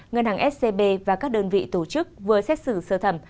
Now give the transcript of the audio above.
ngân hàng scb và các đơn vị tổ chức vừa xét xử sơ thẩm